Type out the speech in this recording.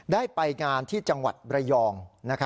ได้ไปงานที่จังหวัดระยอง